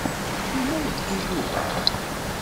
Melmi ad yeddu Yuba?